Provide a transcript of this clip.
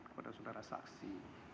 kepada saudara saksi